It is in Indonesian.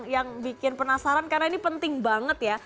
yang bikin penasaran karena ini penting banget ya